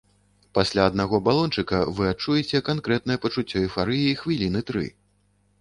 Пасля аднаго балончыка вы адчуеце канкрэтнае пачуццё эйфарыі хвіліны тры.